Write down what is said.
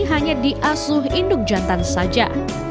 hanya diasuh induk jantan saja